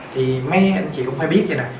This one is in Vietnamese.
thì mấy anh chị cũng phải biết vậy nè